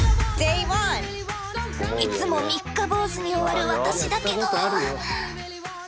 いつも三日坊主に終わる私だけど。